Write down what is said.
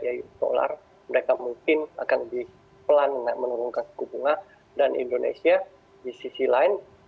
yaitu solar mereka mungkin akan lebih pelan menurunkan suku bunga dan indonesia di sisi lain